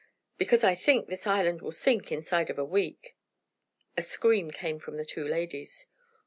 "Because I think this island will sink inside of a week!" A scream came from the two ladies.